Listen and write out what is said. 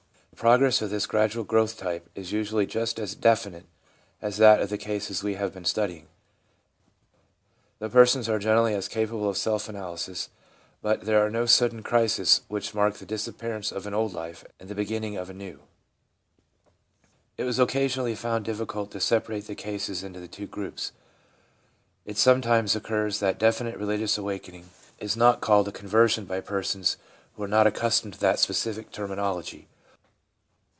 The progress of this gradual growth type is usually just as definite as that of the cases we have been studying. The persons are generally as capable of self analysis, but there are no sudden crises which mark the disappearance of an old life and the beginning of a new. 183 1 84 THE PSYCHOLOGY OF RELIGION It was occasionally found difficult to separate the cases into the two groups. It sometimes occurs that definite religious awakening is not called a conversion by persons who are not accustomed to that specific terminology.